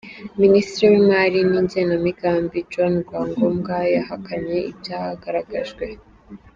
Minisitri w’imari n’igenamigambi, John Rwangombwa, yahakanye ibyagaragajwe.